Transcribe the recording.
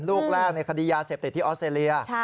ลูกแรกในคดียาเสพติดที่ออสเตรเลีย